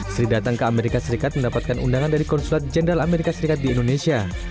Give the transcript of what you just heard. sri datang ke amerika serikat mendapatkan undangan dari konsulat jenderal amerika serikat di indonesia